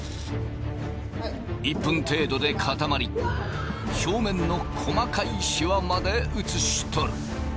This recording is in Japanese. １分程度で固まり表面の細かいシワまで写し取る。